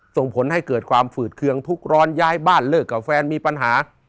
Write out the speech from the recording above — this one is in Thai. ส่งผลให้เกิดความฝืดเคืองทุกข์ร้อนย้ายบ้านเลิกกับแฟนมีปัญหา